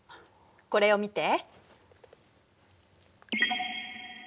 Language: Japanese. これを見て。